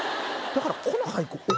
だからこの俳句